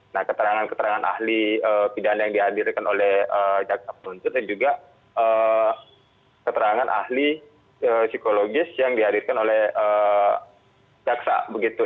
nah keterangan keterangan ahli pidana yang dihadirkan oleh jaksa penuntut dan juga keterangan ahli psikologis yang dihadirkan oleh jaksa begitu